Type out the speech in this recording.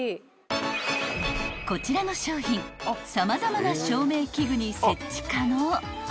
［こちらの商品様々な照明器具に設置可能］